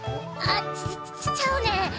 あっちちちちゃうねん。